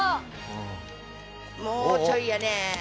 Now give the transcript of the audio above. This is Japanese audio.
もうちょいやね。